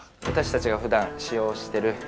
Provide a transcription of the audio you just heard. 私たちがふだん使用してる